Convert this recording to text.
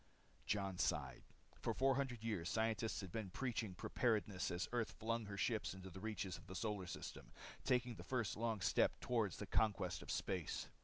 Jon sighed. For 400 years scientists had been preaching preparedness as Earth flung her ships into the reaches of the solar system, taking the first long step toward the conquest of space.